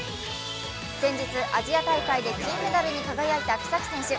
先日、アジア大会で金メダルに輝いた草木選手。